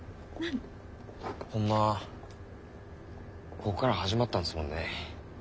ホンマここから始まったんですもんね。